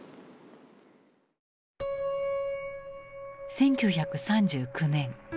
１９３９年。